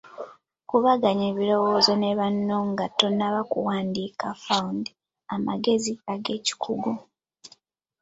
Kubaganya ebirowoozo ne banno nga tonnaba kuwandiika found amagezi ag'ekikugu.